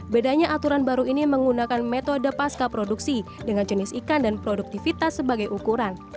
bedanya aturan baru ini menggunakan metode pasca produksi dengan jenis ikan dan produktivitas sebagai ukuran